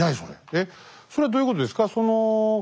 えっそれはどういうことですか？